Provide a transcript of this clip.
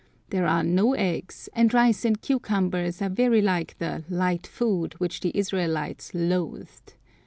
There are no eggs, and rice and cucumbers are very like the "light food" which the Israelites "loathed."